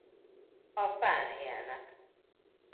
A fán élnek.